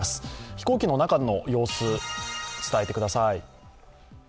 飛行機の中の様子伝えてください。